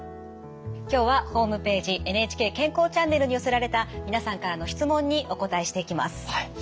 今日はホームページ「ＮＨＫ健康チャンネル」に寄せられた皆さんからの質問にお答えしていきます。